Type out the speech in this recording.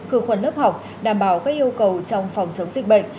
khử khuẩn lớp học đảm bảo các yêu cầu trong phòng chống dịch bệnh